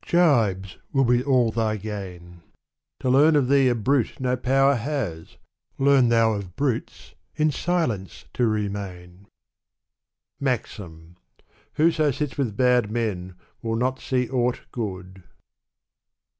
Gibes will be aU thy gain. To learn of thee a brute no power has : Learn thou of brutes in silence to remain/' MAXIM. Whoso sits with bad men will not see aught good.